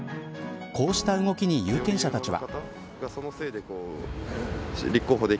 こうした動きに有権者たちは。